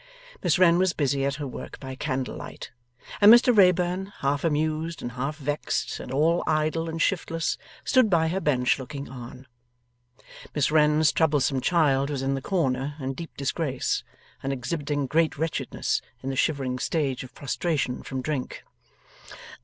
Miss Wren was busy at her work by candle light, and Mr Wrayburn, half amused and half vexed, and all idle and shiftless, stood by her bench looking on. Miss Wren's troublesome child was in the corner in deep disgrace, and exhibiting great wretchedness in the shivering stage of prostration from drink.